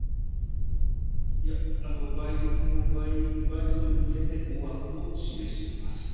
いや、ばい、倍増に向けて、大枠を示します。